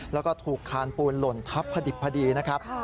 แล้วก็ถูกคานปูนหล่นทับพอดิบพอดีนะครับ